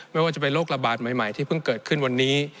ไม่ว่าจะเป็นโรคระบาดใหม่ที่เพิ่งเกิดขึ้นวันนี้